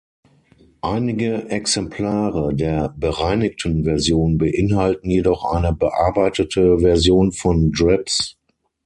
Einige Exemplare der bereinigten Version beinhalten jedoch eine bearbeitete Version von Drips.